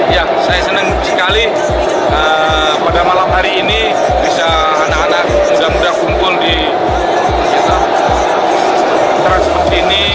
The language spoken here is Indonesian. ya saya senang sekali pada malam hari ini bisa anak anak muda muda kumpul di transmart ini